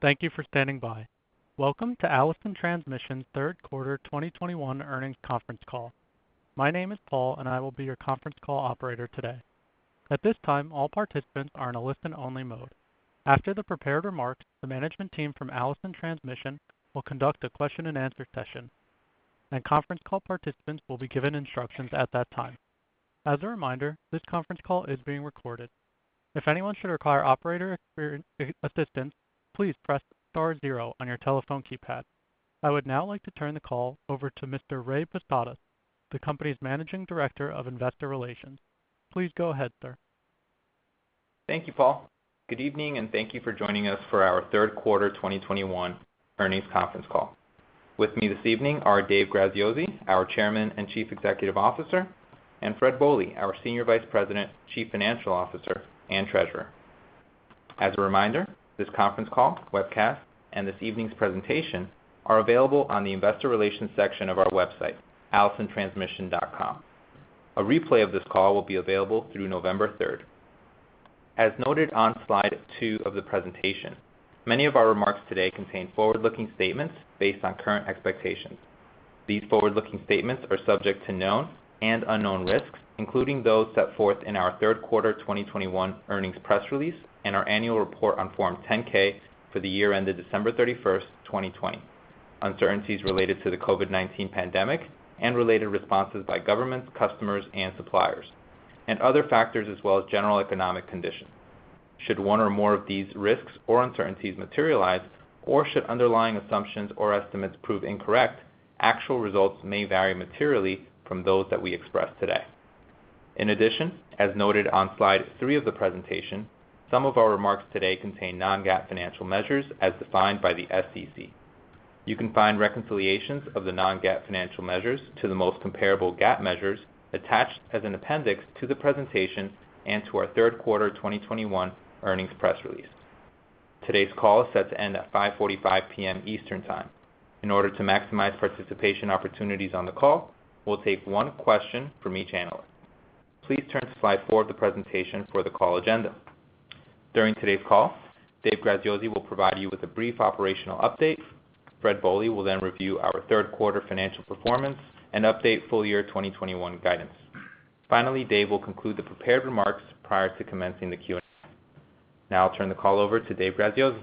Thank you for standing by Welcome to Allison Transmission third quarter 2021 earnings conference call. My name is Paul, and I will be your conference call operator today. At this time, all participants are in a listen-only mode. After the prepared remarks, the management team from Allison Transmission will conduct a question-and-answer session, and conference call participants will be given instructions at that time. As a reminder, this conference call is being recorded. If anyone should require operator assistance, please press star zero on your telephone keypad. I would now like to turn the call over to Mr. Ray Posadas, the company's Managing Director of Investor Relations. Please go ahead, sir. Thank you, Paul. Good evening, and thank you for joining us for our third quarter 2021 earnings conference call. With me this evening are Dave Graziosi, our Chairman and Chief Executive Officer, and Fred Bohley, our Senior Vice President, Chief Financial Officer, and Treasurer. As a reminder, this conference call, webcast, and this evening's presentation are available on the investor relations section of our website, allisontransmission.com. A replay of this call will be available through November 3rd. As noted on slide two of the presentation, many of our remarks today contain forward-looking statements based on current expectations. These forward-looking statements are subject to known and unknown risks, including those set forth in our third quarter 2021 earnings press release and our annual report on Form 10-K for the year ended December 31, 2020, uncertainties related to the COVID-19 pandemic and related responses by governments, customers, and suppliers, and other factors, as well as general economic conditions. Should one or more of these risks or uncertainties materialize, or should underlying assumptions or estimates prove incorrect, actual results may vary materially from those that we express today. In addition, as noted on slide three of the presentation, some of our remarks today contain non-GAAP financial measures as defined by the SEC. You can find reconciliations of the non-GAAP financial measures to the most comparable GAAP measures attached as an appendix to the presentation and to our third quarter 2021 earnings press release. Today's call is set to end at 5:45 P.M. Eastern Time. In order to maximize participation opportunities on the call, we'll take one question from each analyst. Please turn to slide four of the presentation for the call agenda. During today's call, Dave Graziosi will provide you with a brief operational update. Fred Bohley will then review our third quarter financial performance and update full year 2021 guidance. Finally, Dave will conclude the prepared remarks prior to commencing the Q&A. Now I'll turn the call over to Dave Graziosi.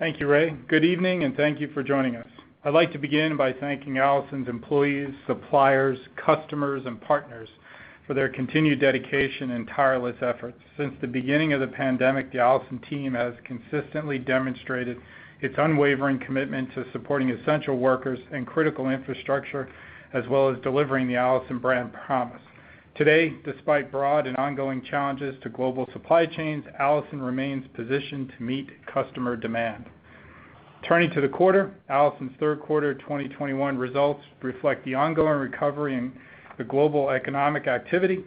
Thank you, Ray. Good evening, and thank you for joining us. I'd like to begin by thanking Allison's employees, suppliers, customers, and partners for their continued dedication and tireless efforts. Since the beginning of the pandemic, the Allison team has consistently demonstrated its unwavering commitment to supporting essential workers and critical infrastructure, as well as delivering the Allison brand promise. Today, despite broad and ongoing challenges to global supply chains, Allison remains positioned to meet customer demand. Turning to the quarter, Allison's third quarter 2021 results reflect the ongoing recovery in the global economic activity.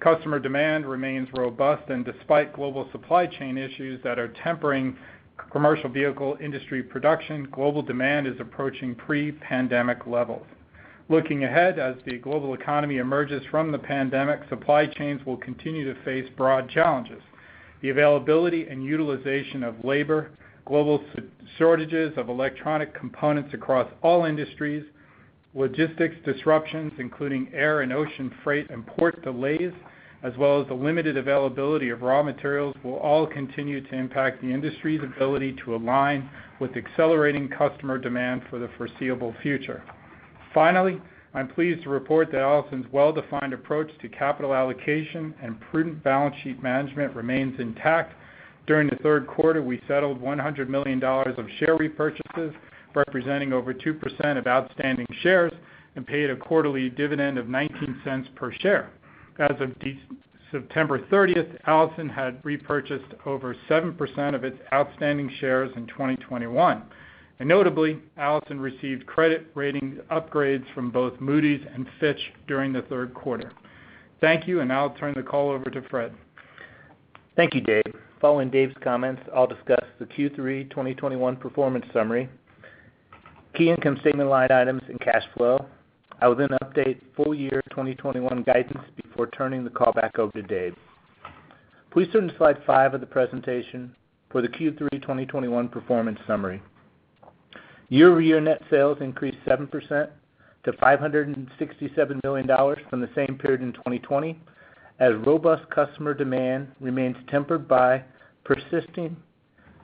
Customer demand remains robust, and despite global supply chain issues that are tempering commercial vehicle industry production, global demand is approaching pre-pandemic levels. Looking ahead, as the global economy emerges from the pandemic, supply chains will continue to face broad challenges. The availability and utilization of labor, global shortages of electronic components across all industries, logistics disruptions, including air and ocean freight and port delays, as well as the limited availability of raw materials will all continue to impact the industry's ability to align with accelerating customer demand for the foreseeable future. Finally, I'm pleased to report that Allison's well-defined approach to capital allocation and prudent balance sheet management remains intact. During the third quarter, we settled $100 million of share repurchases, representing over 2% of outstanding shares, and paid a quarterly dividend of $0.19 per share. As of September 30, Allison had repurchased over 7% of its outstanding shares in 2021. Notably, Allison received credit rating upgrades from both Moody's and Fitch during the third quarter. Thank you, and now I'll turn the call over to Fred. Thank you, Dave. Following Dave's comments, I'll discuss the Q3 2021 performance summary, key income statement line items, and cash flow. I will then update full year 2021 guidance before turning the call back over to Dave. Please turn to slide five of the presentation for the Q3 2021 performance summary. Year-over-year net sales increased 7% to $567 million from the same period in 2020 as robust customer demand remains tempered by persisting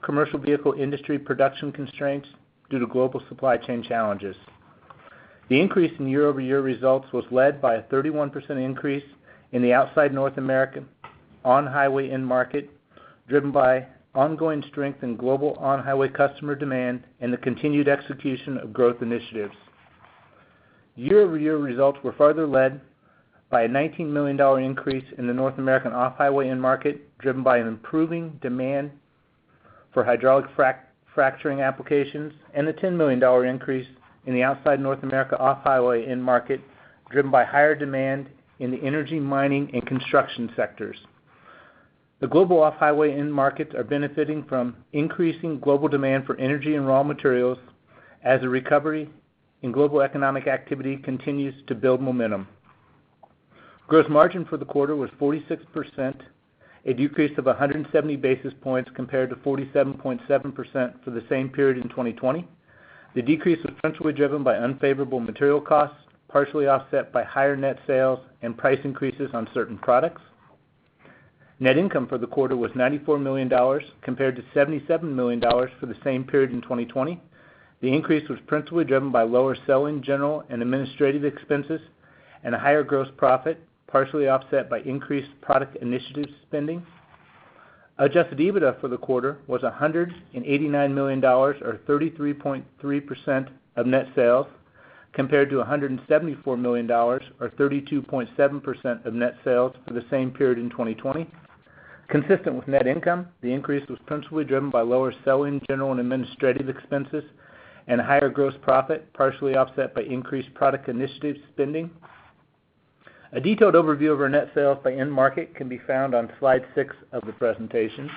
commercial vehicle industry production constraints due to global supply chain challenges. The increase in year-over-year results was led by a 31% increase in the outside North America on-highway end market, driven by ongoing strength in global on-highway customer demand and the continued execution of growth initiatives. Year-over-year results were further led by a $19 million increase in the North American off-highway end market, driven by an improving demand for hydraulic fracturing applications, and a $10 million increase in the outside North America off-highway end market, driven by higher demand in the energy, mining, and construction sectors. The global off-highway end markets are benefiting from increasing global demand for energy and raw materials as the recovery in global economic activity continues to build momentum. Gross margin for the quarter was 46%, a decrease of 170 basis points compared to 47.7% for the same period in 2020. The decrease was principally driven by unfavorable material costs, partially offset by higher net sales and price increases on certain products. Net income for the quarter was $94 million compared to $77 million for the same period in 2020. The increase was principally driven by lower selling, general, and administrative expenses and a higher gross profit, partially offset by increased product initiative spending. Adjusted EBITDA for the quarter was $189 million or 33.3% of net sales, compared to $174 million or 32.7% of net sales for the same period in 2020. Consistent with net income, the increase was principally driven by lower selling, general, and administrative expenses and higher gross profit, partially offset by increased product initiative spending. A detailed overview of our net sales by end market can be found on slide six of the presentation.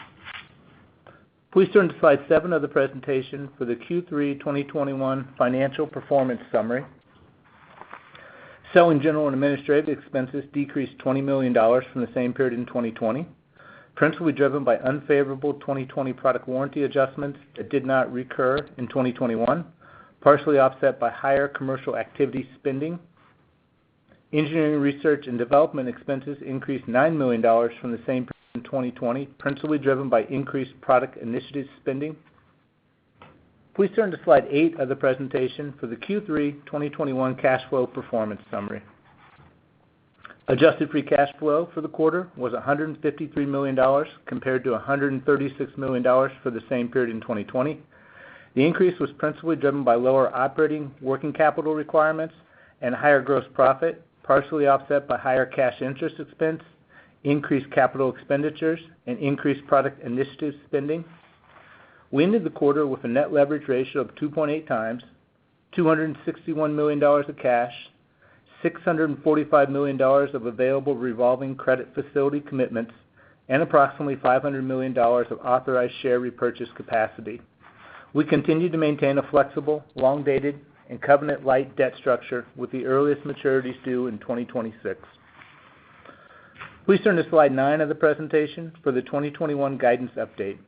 Please turn to slide seven of the presentation for the Q3 2021 financial performance summary. Selling, general and administrative expenses decreased $20 million from the same period in 2020, principally driven by unfavorable 2020 product warranty adjustments that did not recur in 2021, partially offset by higher commercial activity spending. Engineering, research and development expenses increased $9 million from the same period in 2020, principally driven by increased product initiative spending. Please turn to slide eight of the presentation for the Q3 2021 cash flow performance summary. Adjusted free cash flow for the quarter was $153 million compared to $136 million for the same period in 2020. The increase was principally driven by lower operating working capital requirements and higher gross profit, partially offset by higher cash interest expense, increased capital expenditures and increased product initiative spending. We ended the quarter with a net leverage ratio of 2.8x, $261 million of cash, $645 million of available revolving credit facility commitments and approximately $500 million of authorized share repurchase capacity. We continue to maintain a flexible, long-dated and covenant light debt structure with the earliest maturities due in 2026. Please turn to slide nine of the presentation for the 2021 guidance update.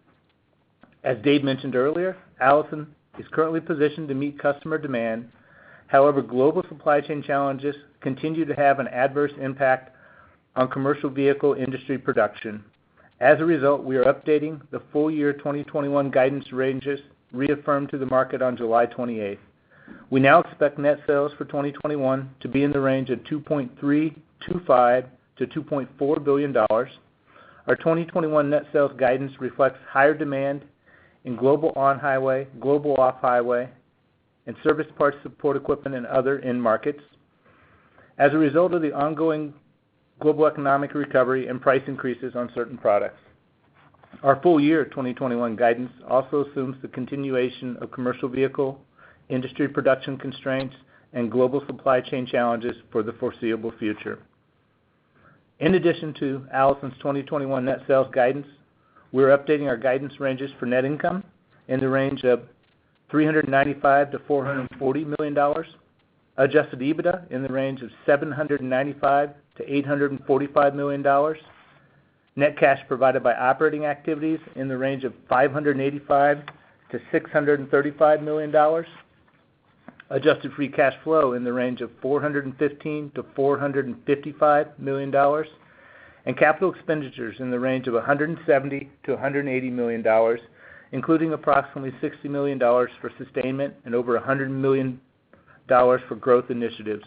As Dave mentioned earlier, Allison is currently positioned to meet customer demand. However, global supply chain challenges continue to have an adverse impact on commercial vehicle industry production. As a result, we are updating the full-year 2021 guidance ranges reaffirmed to the market on July 28. We now expect net sales for 2021 to be in the range of $2.325 billion-$2.4 billion. Our 2021 net sales guidance reflects higher demand in global on-highway, global off-highway and service parts support equipment and other end markets as a result of the ongoing global economic recovery and price increases on certain products. Our full year 2021 guidance also assumes the continuation of commercial vehicle industry production constraints and global supply chain challenges for the foreseeable future. In addition to Allison's 2021 net sales guidance, we're updating our guidance ranges for net income in the range of $395 million-$440 million, adjusted EBITDA in the range of $795 million-$845 million. Net cash provided by operating activities in the range of $585 million-$635 million. Adjusted free cash flow in the range of $415 million-$455 million. Capital expenditures in the range of $170 million-$180 million, including approximately $60 million for sustainment and over $100 million for growth initiatives.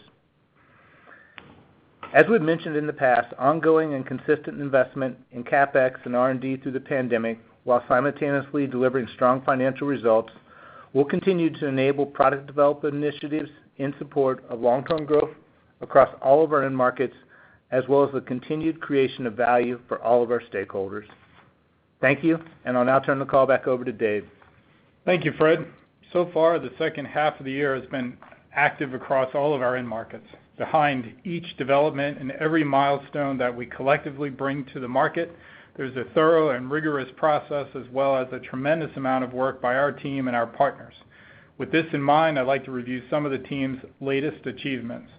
As we've mentioned in the past, ongoing and consistent investment in CapEx and R&D through the pandemic while simultaneously delivering strong financial results will continue to enable product development initiatives in support of long-term growth across all of our end markets, as well as the continued creation of value for all of our stakeholders. Thank you, and I'll now turn the call back over to Dave. Thank you, Fred. So far, the second half of the year has been active across all of our end markets. Behind each development and every milestone that we collectively bring to the market, there's a thorough and rigorous process as well as a tremendous amount of work by our team and our partners. With this in mind, I'd like to review some of the team's latest achievements.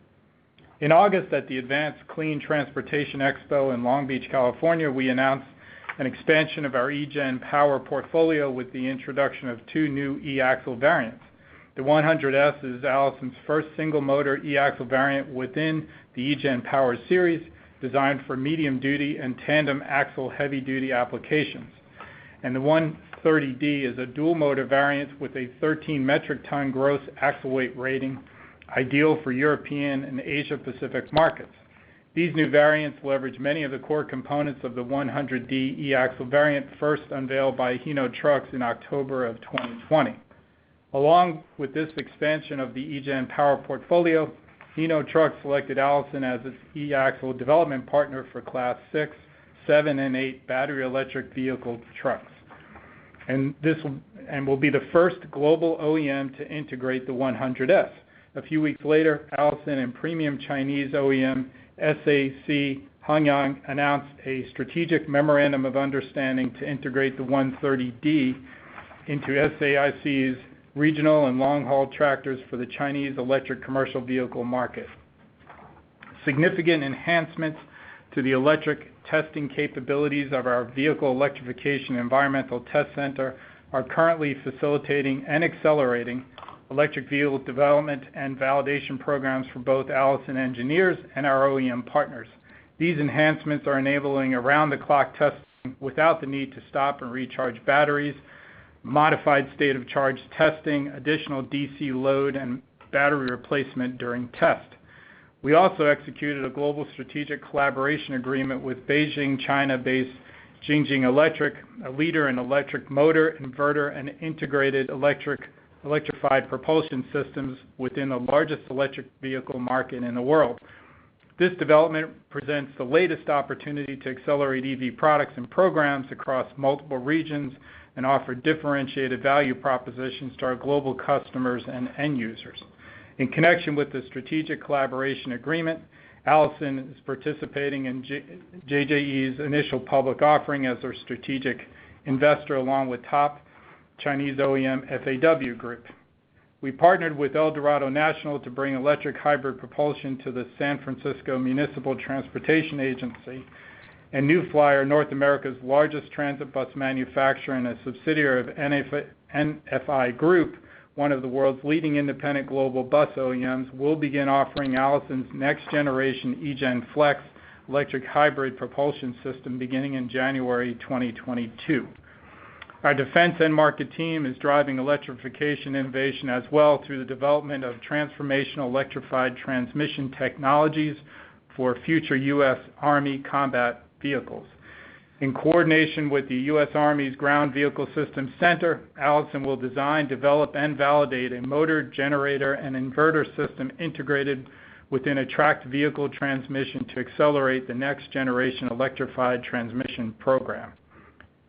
In August, at the Advanced Clean Transportation Expo in Long Beach, California, we announced an expansion of our eGen Power portfolio with the introduction of two new e-Axle variants. The 100 S is Allison's first single motor e-Axle variant within the eGen Power series, designed for medium duty and tandem axle heavy duty applications. The 130D is a dual motor variant with a 13 metric ton gross axle weight rating ideal for European and Asia Pacific markets. These new variants leverage many of the core components of the 100D e-Axle variant, first unveiled by Hino Motors in October of 2020. Along with this expansion of the eGen Power portfolio, Hino Motors selected Allison as its e-xle development partner for Class 6, 7, and 8 battery electric vehicle trucks. This will be the first global OEM to integrate the 100 S. A few weeks later, Allison and premium Chinese OEM, SAIC Hongyan, announced a strategic memorandum of understanding to integrate the 130D into SAIC's regional and long-haul tractors for the Chinese electric commercial vehicle market. Significant enhancements to the electric testing capabilities of our vehicle electrification environmental test center are currently facilitating and accelerating electric vehicle development and validation programs for both Allison engineers and our OEM partners. These enhancements are enabling around-the-clock testing without the need to stop and recharge batteries, modified state of charge testing, additional DC load, and battery replacement during test. We also executed a global strategic collaboration agreement with Beijing, China-based Jing-Jin Electric, a leader in electric motor inverter and integrated electrified propulsion systems within the largest electric vehicle market in the world. This development presents the latest opportunity to accelerate EV products and programs across multiple regions and offer differentiated value propositions to our global customers and end users. In connection with the strategic collaboration agreement, Allison is participating in JJE's initial public offering as their strategic investor, along with top Chinese OEM FAW Group. We partnered with ElDorado National to bring electric hybrid propulsion to the San Francisco Municipal Transportation Agency, and New Flyer, North America's largest transit bus manufacturer and a subsidiary of NFI Group, one of the world's leading independent global bus OEMs, will begin offering Allison's next-generation eGen Flex electric hybrid propulsion system beginning in January 2022. Our defense end market team is driving electrification innovation as well through the development of transformational electrified transmission technologies for future U.S. Army combat vehicles. In coordination with the U.S. Army's Ground Vehicle Systems Center, Allison will design, develop, and validate a motor generator and inverter system integrated within a tracked vehicle transmission to accelerate the next-generation electrified transmission program.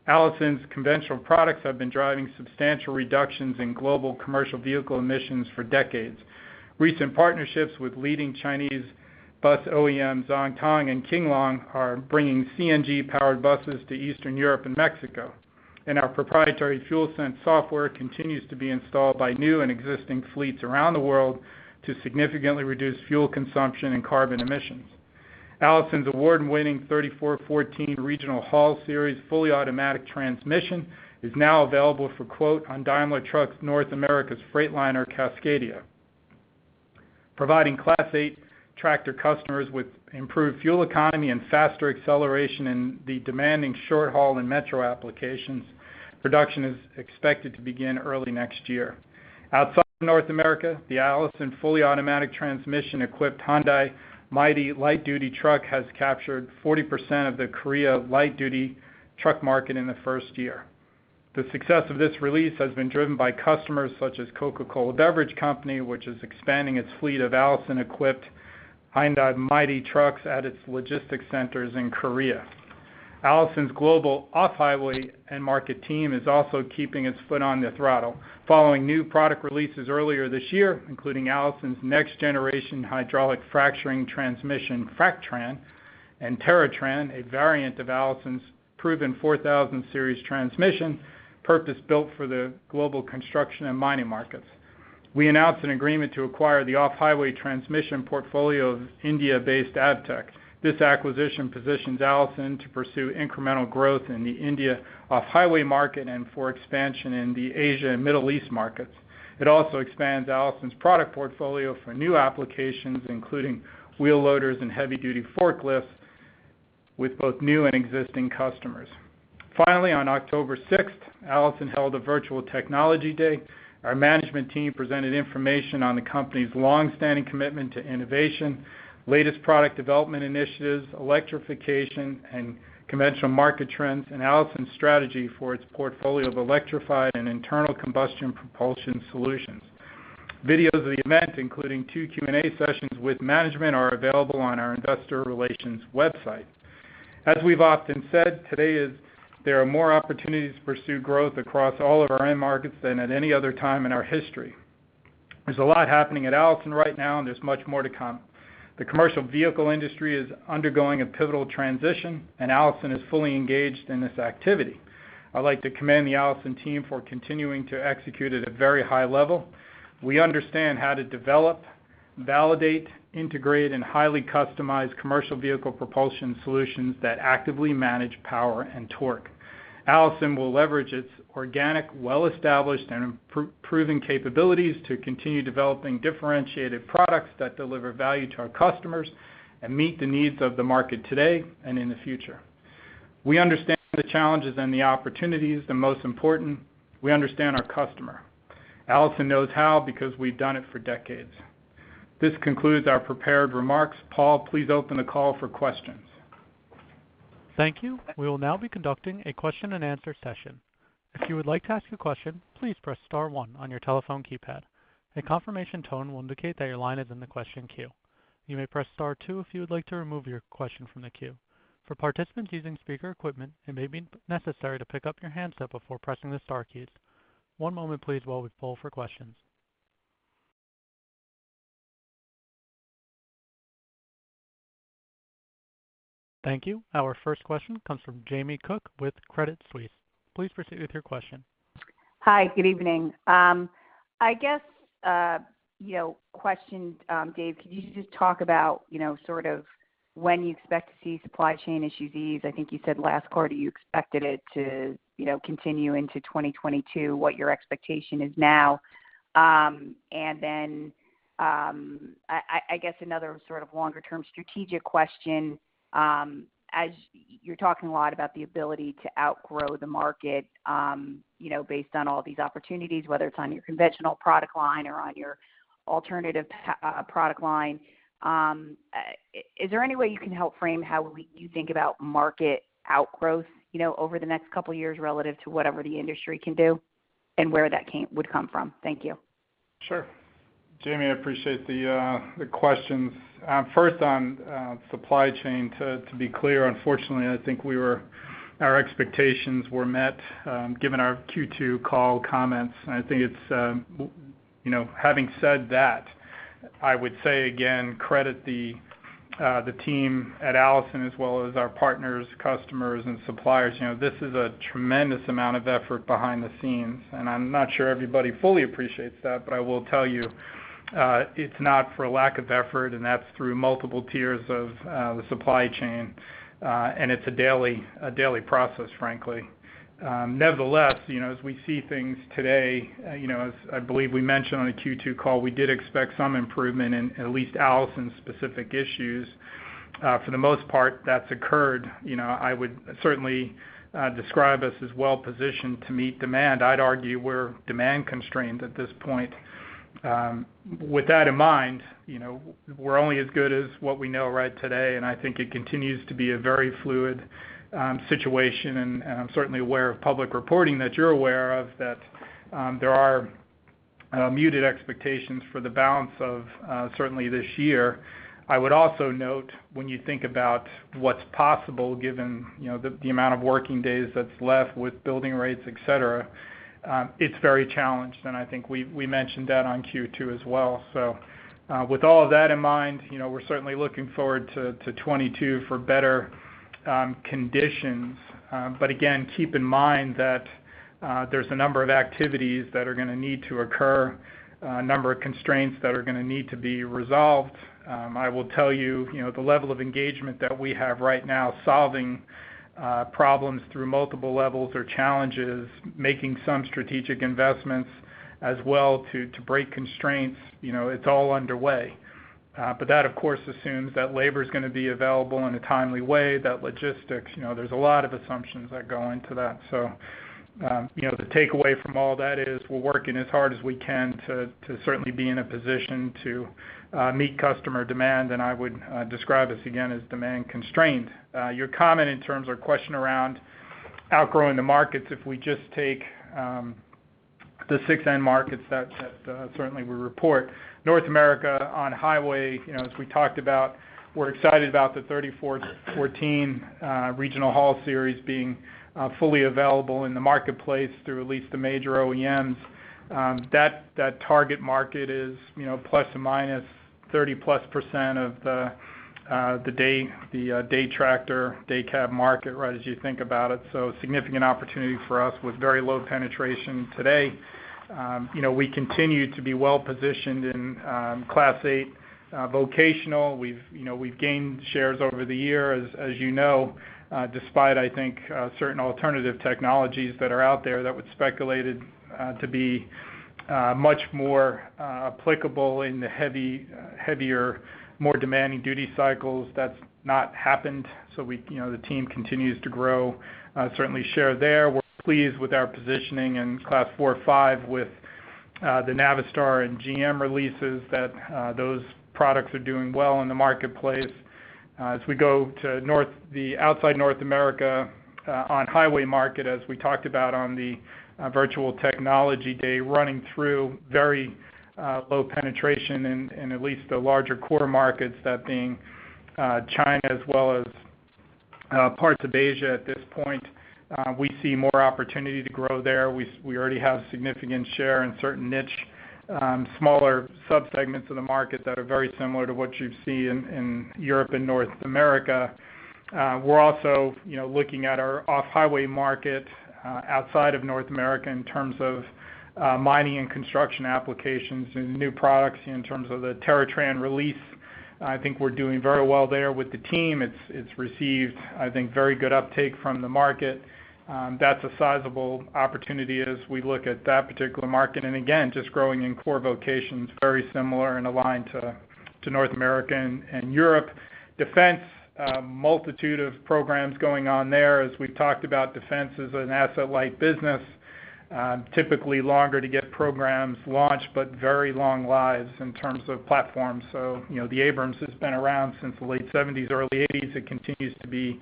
Allison's conventional products have been driving substantial reductions in global commercial vehicle emissions for decades. Recent partnerships with leading Chinese bus OEM Zhongtong and King Long are bringing CNG-powered buses to Eastern Europe and Mexico. Our proprietary FuelSense software continues to be installed by new and existing fleets around the world to significantly reduce fuel consumption and carbon emissions. Allison's award-winning 3414 Regional Haul Series fully automatic transmission is now available for quote on Daimler Truck North America's Freightliner Cascadia. Providing Class 8 tractor customers with improved fuel economy and faster acceleration in the demanding short-haul and metro applications, production is expected to begin early next year. Outside North America, the Allison fully automatic transmission-equipped Hyundai Mighty light-duty truck has captured 40% of the Korea light-duty truck market in the first year. The success of this release has been driven by customers such as The Coca-Cola Company, which is expanding its fleet of Allison-equipped Hyundai Mighty trucks at its logistics centers in Korea. Allison's global off-highway and market team is also keeping its foot on the throttle following new product releases earlier this year, including Allison's next-generation hydraulic fracturing transmission, FracTran, and TerraTran, a variant of Allison's proven 4000 Series transmission, purpose-built for the global construction and mining markets. We announced an agreement to acquire the off-highway transmission portfolio of India-based AVTEC. This acquisition positions Allison to pursue incremental growth in the Indian off-highway market and for expansion in the Asia and Middle East markets. It also expands Allison's product portfolio for new applications, including wheel loaders and heavy-duty forklifts, with both new and existing customers. Finally, on October 6, Allison held a virtual technology day. Our management team presented information on the company's long-standing commitment to innovation, latest product development initiatives, electrification and conventional market trends, and Allison's strategy for its portfolio of electrified and internal combustion propulsion solutions. Videos of the event, including two Q&A sessions with management, are available on our investor relations website. As we've often said, there are more opportunities to pursue growth across all of our end markets than at any other time in our history. There's a lot happening at Allison right now, and there's much more to come. The commercial vehicle industry is undergoing a pivotal transition, and Allison is fully engaged in this activity. I'd like to commend the Allison team for continuing to execute at a very high level. We understand how to develop, validate, integrate, and highly customize commercial vehicle propulsion solutions that actively manage power and torque. Allison will leverage its organic, well-established, and improving capabilities to continue developing differentiated products that deliver value to our customers and meet the needs of the market today and in the future. We understand the challenges and the opportunities. The most important, we understand our customer. Allison knows how because we've done it for decades. This concludes our prepared remarks. Paul, please open the call for questions. Thank you. We will now be conducting a question-and-answer session. If you would like to ask a question, please press star one on your telephone keypad. A confirmation tone will indicate that your line is in the question queue. You may press star two if you would like to remove your question from the queue. For participants using speaker equipment, it may be necessary to pick up your handset before pressing the star keys. One moment, please, while we poll for questions. Thank you. Our first question comes from Jamie Cook with Credit Suisse. Please proceed with your question. Hi, good evening. I guess, you know, question, Dave, could you just talk about, you know, sort of when you expect to see supply chain issues ease? I think you said last quarter, you expected it to, you know, continue into 2022, what your expectation is now. And then, I guess another sort of longer-term strategic question, as you're talking a lot about the ability to outgrow the market, you know, based on all these opportunities, whether it's on your conventional product line or on your alternative product line, is there any way you can help frame how you think about market outgrowth, you know, over the next couple years relative to whatever the industry can do, and where that would come from? Thank you. Sure. Jamie, I appreciate the questions. First on supply chain, to be clear, unfortunately, I think our expectations were met, given our Q2 call comments. I think it's, you know, having said that, I would say again, credit the team at Allison as well as our partners, customers, and suppliers. You know, this is a tremendous amount of effort behind the scenes, and I'm not sure everybody fully appreciates that. I will tell you, it's not for lack of effort, and that's through multiple tiers of the supply chain. And it's a daily process, frankly. Nevertheless, you know, as we see things today, you know, as I believe we mentioned on the Q2 call, we did expect some improvement in at least Allison's specific issues. For the most part, that's occurred. You know, I would certainly describe us as well-positioned to meet demand. I'd argue we're demand-constrained at this point. With that in mind, you know, we're only as good as what we know right today, and I think it continues to be a very fluid situation. I'm certainly aware of public reporting that you're aware of, that there are muted expectations for the balance of certainly this year. I would also note when you think about what's possible given, you know, the amount of working days that's left with build rates, et cetera, it's very challenged. I think we mentioned that on Q2 as well. With all of that in mind, you know, we're certainly looking forward to 2022 for better conditions. Keep in mind that, there's a number of activities that are gonna need to occur a number of constraints that are gonna need to be resolved. I will tell you know, the level of engagement that we have right now solving problems through multiple levels or challenges, making some strategic investments as well to break constraints, you know, it's all underway. That, of course, assumes that labor's gonna be available in a timely way, that logistics, you know, there's a lot of assumptions that go into that. You know, the takeaway from all that is we're working as hard as we can to certainly be in a position to meet customer demand. I would describe us again as demand-constrained. Your comment in terms of question around outgrowing the markets, if we just take the six end markets that certainly we report. North America on-highway, as we talked about, we're excited about the 3414 Regional Haul Series being fully available in the marketplace through at least the major OEMs. That target market is ±30%+ of the day cab tractor market, right as you think about it. Significant opportunity for us with very low penetration today. We continue to be well-positioned in Class 8 vocational. We've, you know, gained shares over the years, as you know, despite I think certain alternative technologies that are out there that was speculated to be much more applicable in the heavy, heavier, more demanding duty cycles. That's not happened. The team continues to grow, certainly share there. We're pleased with our positioning in Class 4, 5 with the Navistar and GM releases. Those products are doing well in the marketplace. As we go to the outside North America on-highway market, as we talked about on the virtual technology day, running through very low penetration in at least the larger core markets, that being China as well as parts of Asia at this point. We see more opportunity to grow there. We already have significant share in certain niche smaller subsegments of the market that are very similar to what you'd see in Europe and North America. We're also, you know, looking at our off-highway market outside of North America in terms of mining and construction applications and new products in terms of the TerraTran release. I think we're doing very well there with the team. It's received, I think, very good uptake from the market. That's a sizable opportunity as we look at that particular market. Just growing in core vocations very similar and aligned to North America and Europe. Defense, a multitude of programs going on there. As we've talked about, defense is an asset-light business, typically longer to get programs launched, but very long lives in terms of platforms. You know, the Abrams has been around since the late 1970s, early 1980s. It continues to be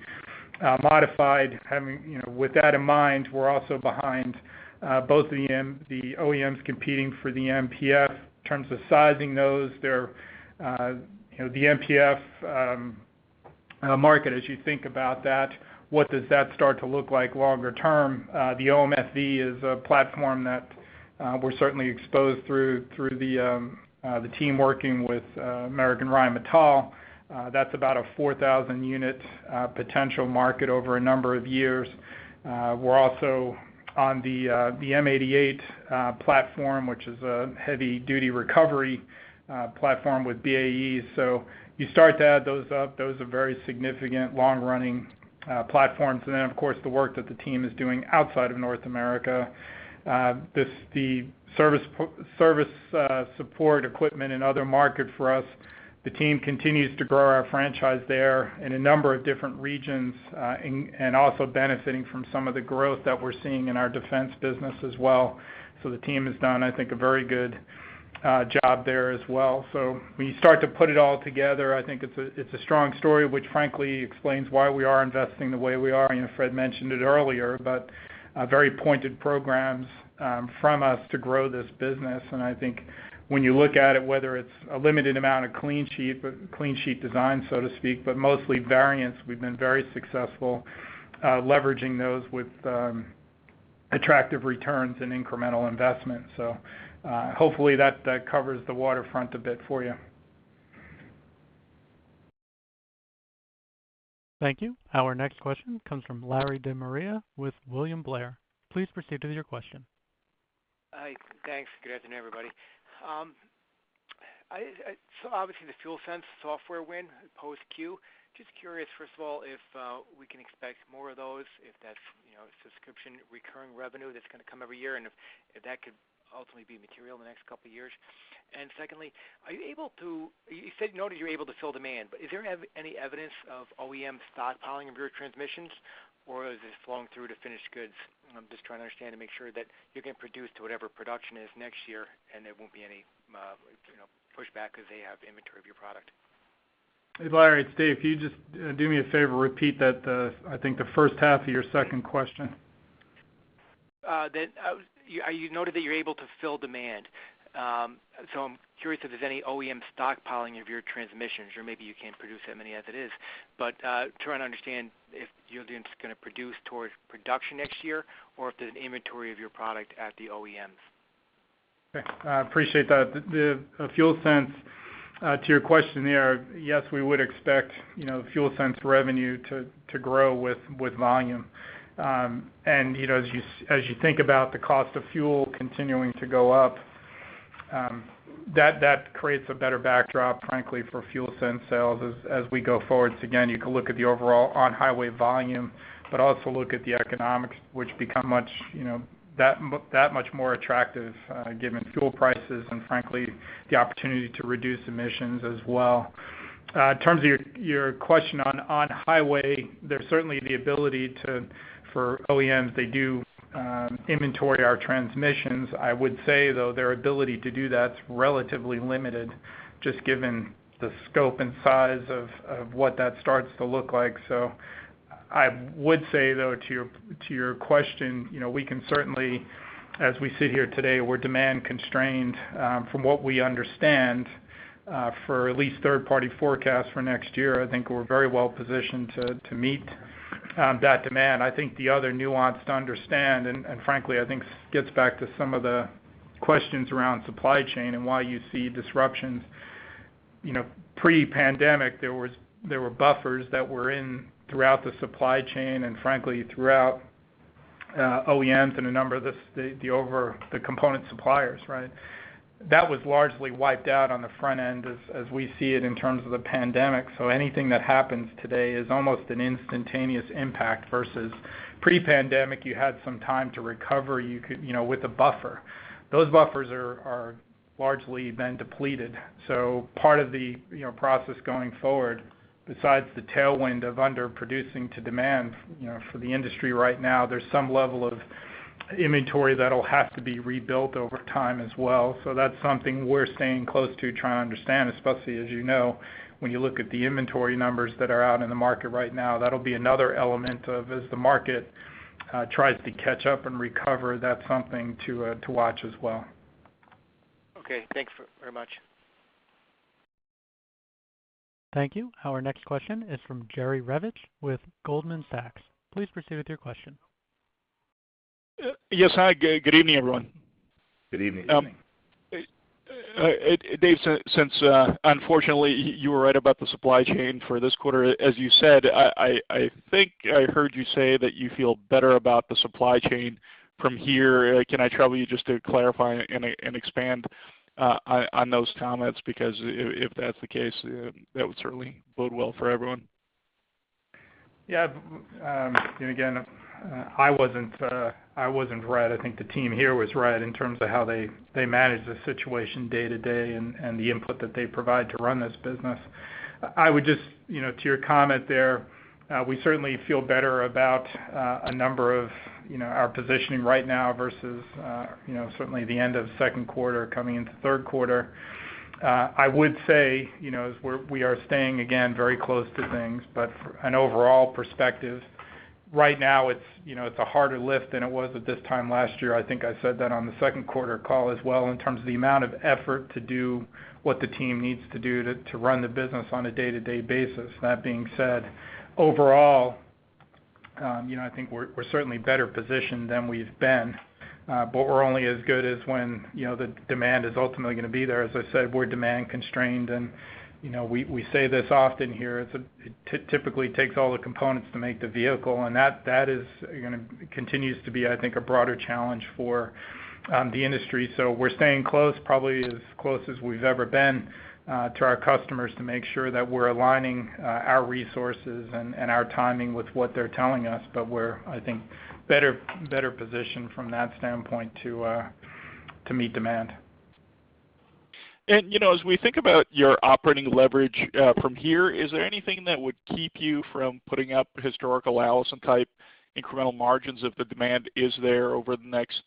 modified. Having you know with that in mind, we're also behind both the OEMs competing for the MPF. In terms of sizing those, they're you know the MPF market as you think about that, what does that start to look like longer term? The OMFV is a platform that we're certainly exposed through the team working with American Rheinmetall. That's about a 4,000-unit potential market over a number of years. We're also on the M88 platform, which is a heavy-duty recovery platform with BAE. You start to add those up, those are very significant long-running platforms. Then, of course, the work that the team is doing outside of North America. The service support equipment and other market for us, the team continues to grow our franchise there in a number of different regions, and also benefiting from some of the growth that we're seeing in our defense business as well. The team has done, I think, a very good job there as well. When you start to put it all together, I think it's a strong story, which frankly explains why we are investing the way we are, you know, Fred mentioned it earlier, but very pointed programs from us to grow this business. I think when you look at it, whether it's a limited amount of clean sheet design, so to speak, but mostly variants, we've been very successful leveraging those with attractive returns and incremental investment. Hopefully that covers the waterfront a bit for you. Thank you. Our next question comes from Larry DeMaria with William Blair. Please proceed with your question. Hi. Thanks. Good afternoon, Everybody. So obviously the FuelSense software win post Q. Just curious, first of all, if we can expect more of those, if that's, you know, subscription recurring revenue that's gonna come every year, and if that could ultimately be material in the next couple of years. Secondly, are you able to you said no that you're able to fill demand, but is there any evidence of OEM stockpiling of your transmissions, or is this flowing through to finished goods? I'm just trying to understand to make sure that you can produce to whatever production is next year, and there won't be any, you know, pushback because they have inventory of your product. Hey, Larry, it's Dave. Can you just do me a favor, repeat that. I think the first half of your second question. You noted that you're able to fill demand. I'm curious if there's any OEM stockpiling of your transmissions, or maybe you can't produce that many as it is. I'm trying to understand if you're just gonna produce towards production next year or if there's an inventory of your product at the OEMs. Okay. I appreciate that. The FuelSense, to your question there, yes, we would expect, you know, FuelSense revenue to grow with volume. You know, as you think about the cost of fuel continuing to go up, that creates a better backdrop, frankly, for FuelSense sales as we go forward. Again, you can look at the overall on-highway volume, but also look at the economics, which become much, you know, that much more attractive, given fuel prices and frankly, the opportunity to reduce emissions as well. In terms of your question on on-highway, there's certainly the ability for OEMs, they do inventory our transmissions. I would say, though, their ability to do that's relatively limited just given the scope and size of what that starts to look like. I would say, though, to your question, you know, we can certainly, as we sit here today, we're demand-constrained, from what we understand, for at least third-party forecasts for next year, I think we're very well positioned to meet that demand. I think the other nuance to understand, and frankly, I think gets back to some of the questions around supply chain and why you see disruptions. You know, pre-pandemic, there were buffers that were in throughout the supply chain and frankly, throughout OEMs and a number of the component suppliers, right? That was largely wiped out on the front end as we see it in terms of the pandemic. Anything that happens today is almost an instantaneous impact versus pre-pandemic. You had some time to recover. You could, you know, with a buffer those buffers are largely been depleted. Part of the, you know, process going forward, besides the tailwind of underproducing to demand, you know, for the industry right now, there's some level of inventory that'll have to be rebuilt over time as well. That's something we're staying close to try and understand, especially as you know, when you look at the inventory numbers that are out in the market right now. That'll be another element of as the market tries to catch up and recover. That's something to watch as well. Okay. Thanks very much. Thank you. Our next question is from Jerry Revich with Goldman Sachs. Please proceed with your question. Yes. Hi. Good evening, everyone. Good evening. Dave, since unfortunately you were right about the supply chain for this quarter, as you said, I think I heard you say that you feel better about the supply chain from here. Can I trouble you just to clarify and expand on those comments? Because if that's the case, then that would certainly bode well for everyone. Yeah. Again, I wasn't right. I think the team here was right in terms of how they manage the situation day-to-day and the input that they provide to run this business. I would just, you know, to your comment there, we certainly feel better about a number of, you know, our positioning right now versus certainly the end of second quarter coming into third quarter. I would say, you know, we are staying, again, very close to things, but an overall perspective. Right now it's, you know, it's a harder lift than it was at this time last year. I think I said that on the second quarter call as well, in terms of the amount of effort to do what the team needs to do to run the business on a day-to-day basis. That being said, overall, you know, I think we're certainly better positioned than we've been, but we're only as good as when, you know, the demand is ultimately gonna be there. As I said, we're demand constrained and, you know, we say this often here, it's typically takes all the components to make the vehicle. That is, you know, continues to be, I think, a broader challenge for the industry. We're staying close, probably as close as we've ever been, to our customers to make sure that we're aligning our resources and our timing with what they're telling us. We're, I think, better positioned from that standpoint to meet demand. You know, as we think about your operating leverage from here, is there anything that would keep you from putting up historical Allison-type incremental margins if the demand is there over the next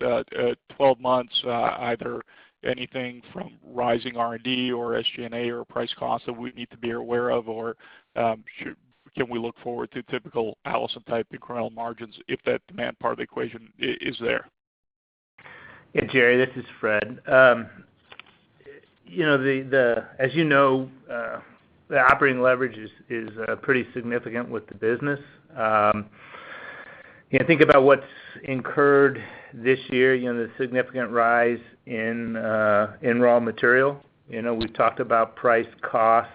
12 months, either anything from rising R&D or SG&A or price cost that we need to be aware of? Or, can we look forward to typical Allison-type incremental margins if that demand part of the equation is there? Yeah, Jerry, this is Fred. You know, as you know, the operating leverage is pretty significant with the business. You know, think about what's incurred this year, you know, the significant rise in raw material. You know, we've talked about price cost.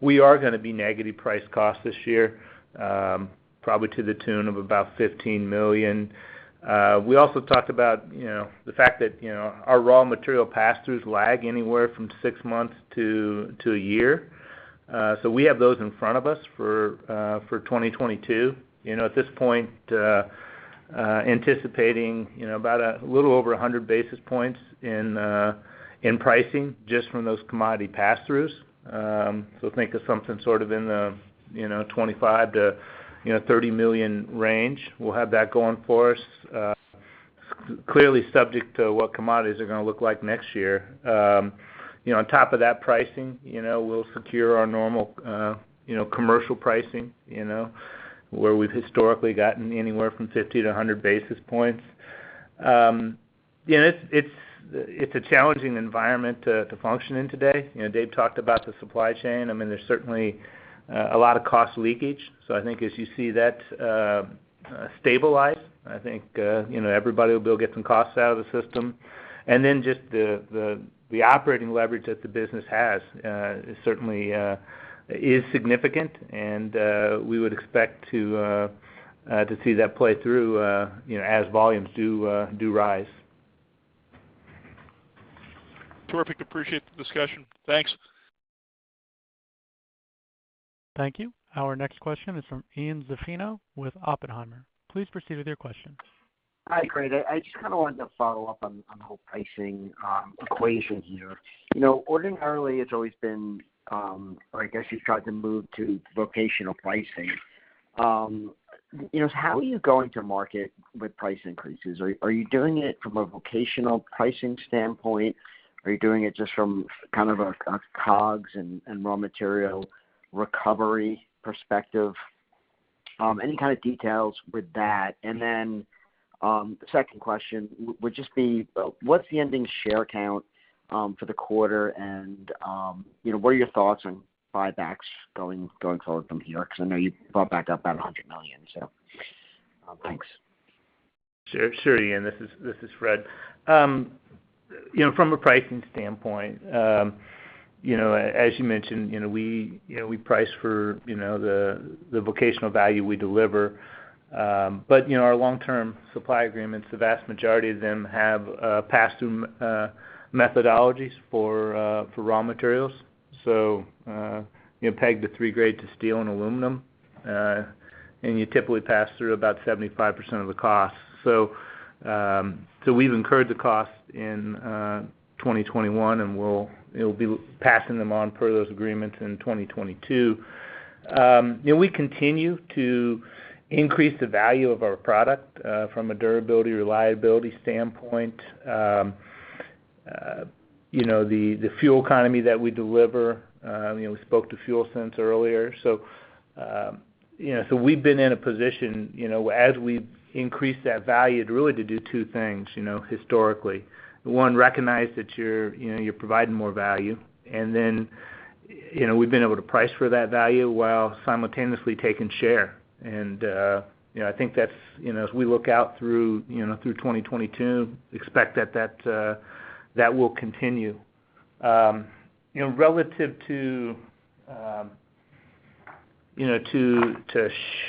We are gonna be negative price cost this year, probably to the tune of about $15 million. We also talked about, you know, the fact that, you know, our raw material pass-throughs lag anywhere from six months to a year. We have those in front of us for 2022. You know, at this point, anticipating, you know, about a little over 100 basis points in pricing just from those commodity pass-throughs. Think of something sort of in the, you know, $25 million-$30 million range. We'll have that going for us, clearly subject to what commodities are gonna look like next year. You know, on top of that pricing, you know, we'll secure our normal, you know, commercial pricing, you know, where we've historically gotten anywhere from 50 to 100 basis points. You know, it's a challenging environment to function in today. You know, Dave talked about the supply chain. I mean, there's certainly a lot of cost leakage. I think as you see that stabilize, I think, you know, everybody will be able to get some costs out of the system. Just the operating leverage that the business has is certainly significant and we would expect to see that play through, you know, as volumes do rise. Terrific. Appreciate the discussion. Thanks. Thank you. Our next question is from Ian Zaffino with Oppenheimer. Please proceed with your question. Hi, great. I just kind of wanted to follow up on the whole pricing equation here. You know, ordinarily it's always been, or I guess you've tried to move to vocational pricing. You know, how are you going to market with price increases? Are you doing it from a vocational pricing standpoint? Are you doing it just from kind of a COGS and raw material recovery perspective? Any kind of details with that? The second question would just be, what's the ending share count for the quarter? You know, what are your thoughts on buybacks going forward from here? Because I know you bought back up about $100 million. Thanks. Sure, Ian, this is Fred. You know, from a pricing standpoint, you know, as you mentioned, you know, we price for you know, the vocational value we deliver. You know, our long-term supply agreements, the vast majority of them have pass-through methodologies for raw materials pegged to three grade hot-rolled steel and aluminum, and you typically pass through about 75% of the cost. We've incurred the cost in 2021, and we'll you know, be passing them on per those agreements in 2022. You know, we continue to increase the value of our product from a durability, reliability standpoint. You know, the fuel economy that we deliver, you know, we spoke to FuelSense earlier. We've been in a position, you know, as we increase that value to really do two things, you know, historically. One, recognize that you're, you know, you're providing more value, and then, you know, we've been able to price for that value while simultaneously taking share. You know, I think that's, you know, as we look out through 2022, expect that will continue. You know, relative to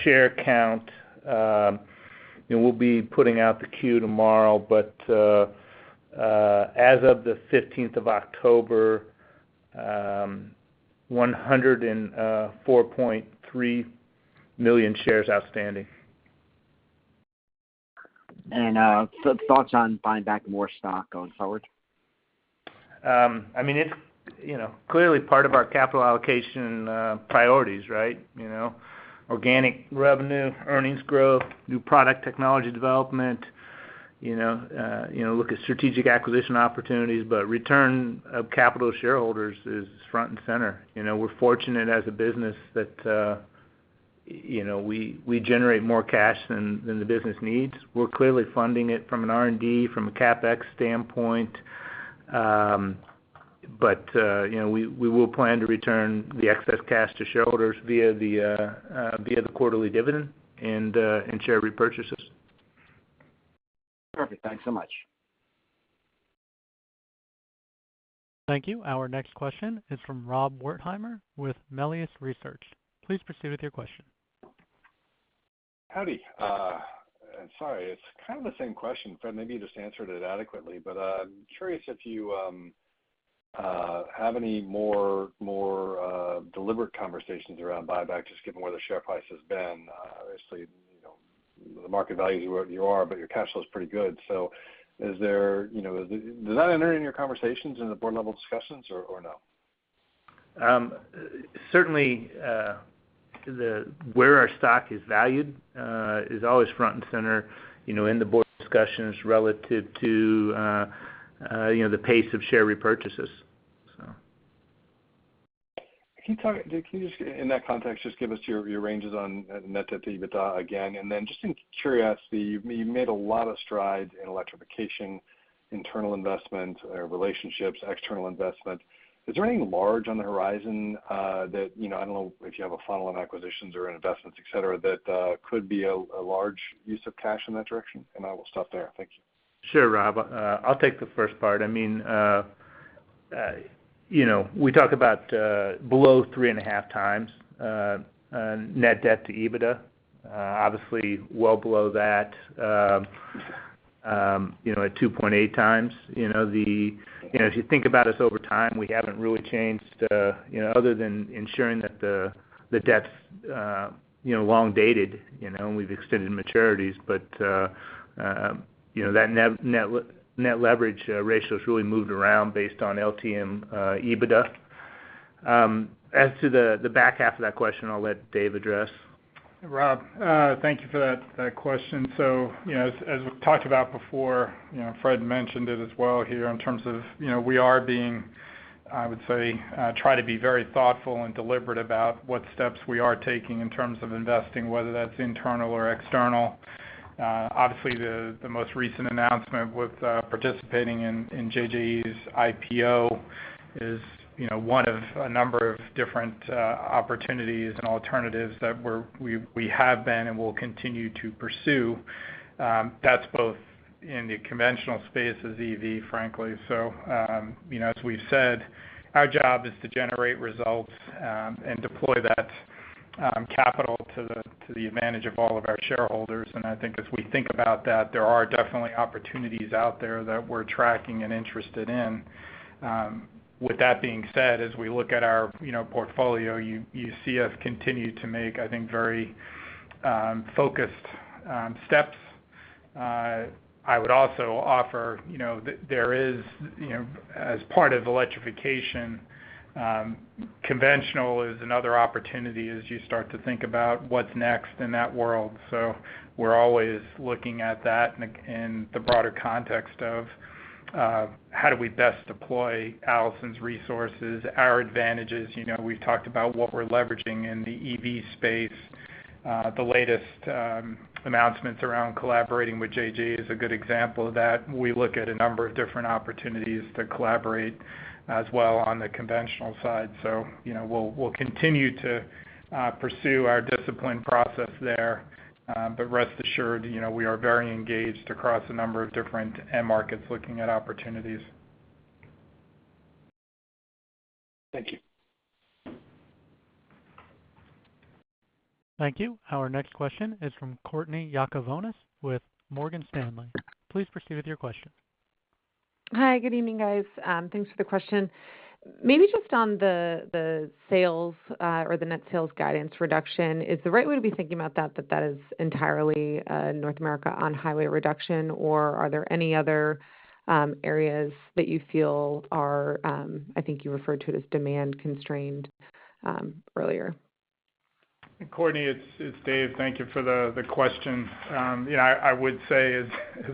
share count, you know, we'll be putting out the Q tomorrow, but as of the October 15th, 104.3 million shares outstanding. Thoughts on buying back more stock going forward? I mean, it's you know clearly part of our capital allocation priorities, right? You know, organic revenue, earnings growth, new product technology development. You know, look at strategic acquisition opportunities, but return of capital shareholders is front and center. You know, we're fortunate as a business that you know we generate more cash than the business needs. We're clearly funding it from an R&D, from a CapEx standpoint. You know, we will plan to return the excess cash to shareholders via the quarterly dividend and share repurchases. Perfect. Thanks so much. Thank you. Our next question is from Rob Wertheimer with Melius Research. Please proceed with your question. Howdy. Sorry, it's kind of the same question, Fred. Maybe you just answered it adequately. I'm curious if you have any more deliberate conversations around buyback, just given where the share price has been. Obviously, you know, the market value is where you are, but your cash flow is pretty good. Is there, you know, does that enter in your conversations in the board level discussions or no? Certainly, where our stock is valued is always front and center, you know, in the board discussions relative to, you know, the pace of share repurchases. Can you just, in that context, just give us your ranges on net debt to EBITDA again? And then just in curiosity, you made a lot of strides in electrification, internal investment, relationships, external investment. Is there anything large on the horizon, that, you know, I don't know if you have a funnel on acquisitions or investments, et cetera, that could be a large use of cash in that direction? And I will stop there. Thank you. Sure, Rob. I'll take the first part. I mean, you know, we talk about below 3.5x net debt to EBITDA. Obviously well below that, you know, at 2.8x. You know, if you think about us over time, we haven't really changed, you know, other than ensuring that the debt's, you know, long dated, you know, and we've extended maturities. You know, that net leverage ratio has really moved around based on LTM EBITDA. As to the back half of that question, I'll let Dave address. Rob, thank you for that question. You know, as we've talked about before, you know, Fred mentioned it as well here in terms of, you know, we are being, I would say, try to be very thoughtful and deliberate about what steps we are taking in terms of investing, whether that's internal or external. Obviously, the most recent announcement with participating in JJE's IPO is, you know, one of a number of different opportunities and alternatives that we have been and will continue to pursue. That's both in the conventional space as EV, frankly. You know, as we've said, our job is to generate results and deploy that capital to the advantage of all of our shareholders. I think as we think about that, there are definitely opportunities out there that we're tracking and interested in. With that being said, as we look at our, you know, portfolio, you see us continue to make, I think, very focused steps. I would also offer, you know, that there is, you know, as part of electrification, conventional is another opportunity as you start to think about what's next in that world. We're always looking at that in the broader context of how do we best deploy Allison's resources, our advantages. You know, we've talked about what we're leveraging in the EV space. The latest announcements around collaborating with JJE is a good example of that. We look at a number of different opportunities to collaborate as well on the conventional side. You know, we'll continue to pursue our disciplined process there. rest assured, you know, we are very engaged across a number of different end markets looking at opportunities. Thank you. Thank you. Our next question is from Courtney Yakavonis with Morgan Stanley. Please proceed with your question. Hi, good evening, guys. Thanks for the question. Maybe just on the sales or the net sales guidance reduction. Is the right way to be thinking about that that is entirely North America on highway reduction, or are there any other areas that you feel are, I think you referred to it as, demand constrained earlier? Courtney, it's Dave. Thank you for the question. You know, I would say as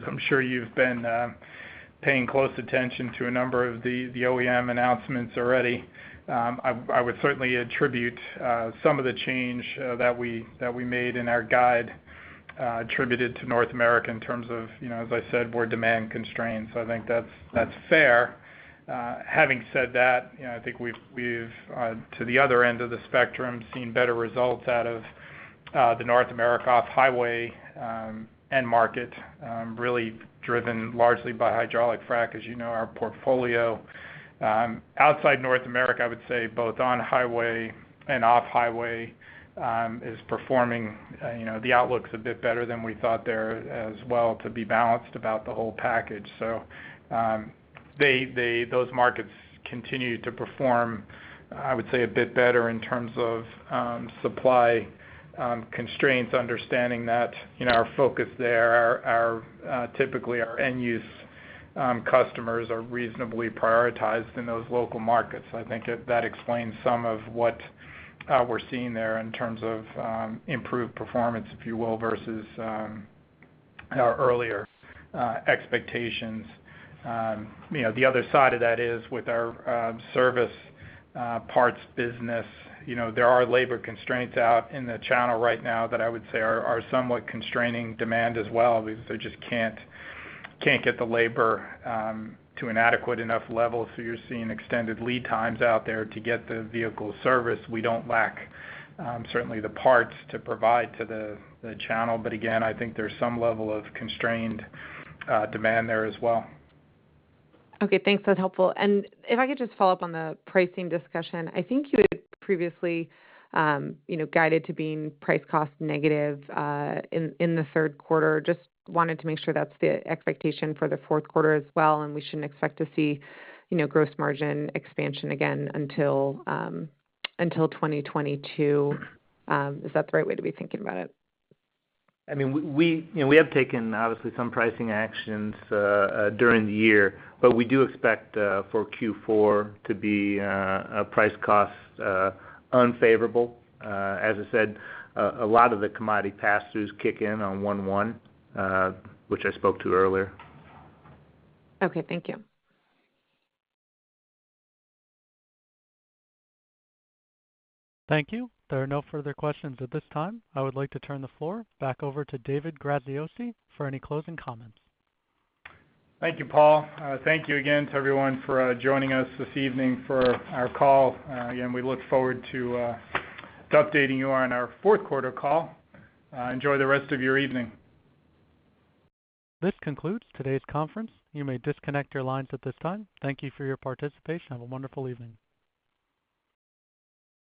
I'm sure you've been paying close attention to a number of the OEM announcements already, I would certainly attribute some of the change that we made in our guide attributed to North America in terms of, you know, as I said, we're demand constrained. I think that's fair. Having said that, you know, I think we've to the other end of the spectrum, seen better results out of the North America off-highway end market, really driven largely by hydraulic frac. As you know, our portfolio, outside North America, I would say both on highway and off highway, is performing, you know, the outlook's a bit better than we thought there as well to be balanced about the whole package. Those markets continue to perform, I would say, a bit better in terms of, supply, constraints, understanding that, you know, our focus there are typically our end user customers are reasonably prioritized in those local markets. I think that explains some of what, we're seeing there in terms of, improved performance, if you will, versus, our earlier, expectations. You know, the other side of that is with our, service parts business. You know, there are labor constraints out in the channel right now that I would say are somewhat constraining demand as well. They just can't get the labor to an adequate enough level, so you're seeing extended lead times out there to get the vehicle serviced. We don't lack certainly the parts to provide to the channel. Again, I think there's some level of constrained demand there as well. Okay, thanks. That's helpful. If I could just follow up on the pricing discussion. I think you had previously, you know, guided to being price cost negative in the third quarter. Just wanted to make sure that's the expectation for the fourth quarter as well, and we shouldn't expect to see, you know, gross margin expansion again until 2022. Is that the right way to be thinking about it? I mean, you know, we have taken, obviously, some pricing actions during the year, but we do expect for Q4 to be a price cost unfavorable. As I said, a lot of the commodity pass-throughs kick in on one-one, which I spoke to earlier. Okay, thank you. Thank you. There are no further questions at this time. I would like to turn the floor back over to David Graziosi for any closing comments. Thank you, Paul. Thank you again to everyone for joining us this evening for our call. Again, we look forward to updating you on our fourth quarter call. Enjoy the rest of your evening. This concludes today's conference. You may disconnect your lines at this time. Thank you for your participation. Have a wonderful evening.